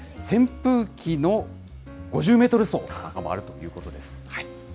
扇風機の５０メートル走なんかもあるということです。